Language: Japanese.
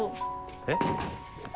えっ？